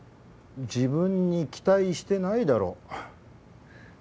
自分に期待してないだろ。